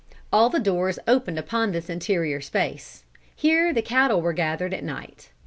All the doors opened upon this interior space. Here the cattle were gathered at night.